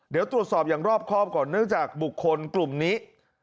เดี๋ยวตรวจสอบอย่างรอบครอบก่อนเนื่องจากบุคคลกลุ่มนี้